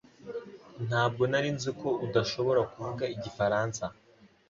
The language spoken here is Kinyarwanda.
Ntabwo nari nzi ko udashobora kuvuga igifaransa